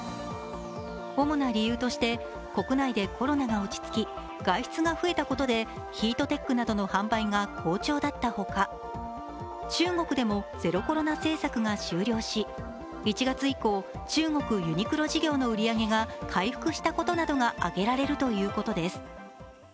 主な理由として国内でコロナが落ち着きヒートテックなどの販売が好調だったほか、中国でもゼロコロナ政策が終了し、１月以降、中国ユニクロ事業の売り上げが回復したことなどが挙げられるということです。